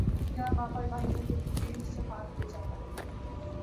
جہاں باپ اور بھائیوں کو بھینٹ چڑھا دیا جاتا ہے۔